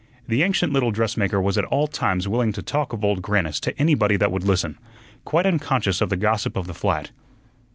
The ancient little dressmaker was at all times willing to talk of Old Grannis to anybody that would listen, quite unconscious of the gossip of the flat.